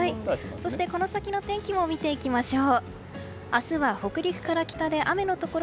そして、この先の天気も見ていきましょう。